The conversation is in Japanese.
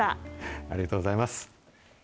ありがとうございます。